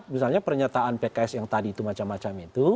misalnya pernyataan pks yang tadi itu macam macam itu